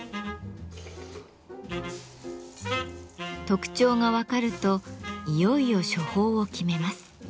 特徴が分かるといよいよ処方を決めます。